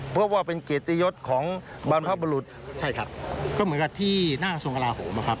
เพราะว่าเป็นเกียรติยศของบรรพบรุษใช่ครับก็เหมือนกับที่หน้าทรงกระลาโหมอะครับ